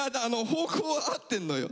方向は合ってんのよ。